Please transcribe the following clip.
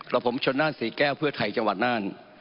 ขอบผมชนนานศรีแก้วเพื่อไทยจังหวัดนั้น